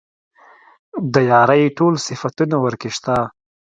د يارۍ ټول صفتونه ورکې شته.